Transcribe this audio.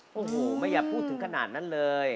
โอ้โหไม่อยากพูดถึงขนาดนั้นเลย